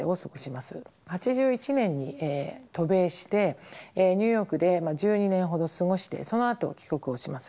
８１年に渡米してニューヨークで１２年ほど過ごしてそのあと帰国をします。